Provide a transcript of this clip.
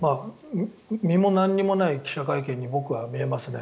実も何もない記者会見に僕は見えますね。